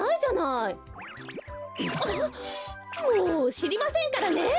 もうしりませんからね！